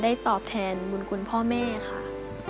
ตอบแทนบุญคุณพ่อแม่ค่ะ